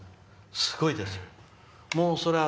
すごいですよ。